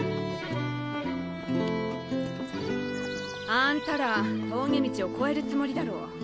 あんたら峠道を越えるつもりだろう？